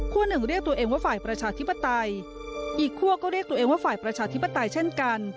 หนึ่งเรียกตัวเองว่าฝ่ายประชาธิปไตยอีกคั่วก็เรียกตัวเองว่าฝ่ายประชาธิปไตยเช่นกัน